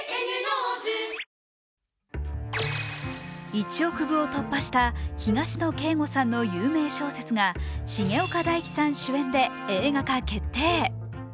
１億部を突破した東野圭吾さんの有名小説が重岡大毅さん主演で映画化決定。